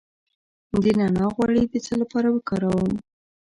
د نعناع غوړي د څه لپاره وکاروم؟